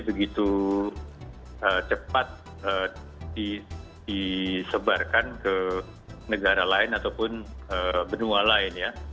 begitu cepat disebarkan ke negara lain ataupun benua lain ya